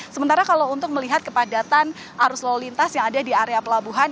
sementara kalau untuk melihat kepadatan arus lalu lintas yang ada di area pelabuhan